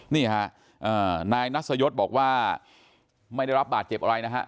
นี่ฮะนายนัสยศบอกว่าไม่ได้รับบาดเจ็บอะไรนะฮะ